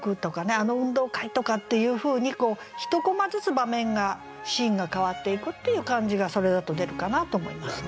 あの運動会とかっていうふうに１コマずつ場面がシーンが変わっていくっていう感じがそれだと出るかなと思いますね。